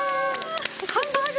ハンバーグ。